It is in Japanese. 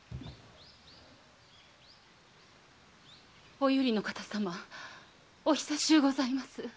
お由利の方様お久しゅうございます。